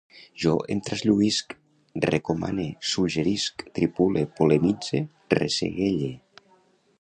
Jo em traslluïsc, recomane, suggerisc, tripule, polemitze, ressegelle